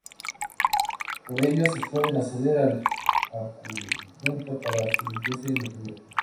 Por ellos se puede acceder al acueducto para su limpieza y mantenimiento.